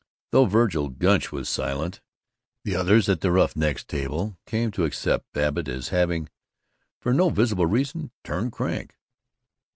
Though Vergil Gunch was silent, the others at the Roughnecks' Table came to accept Babbitt as having, for no visible reason, "turned crank."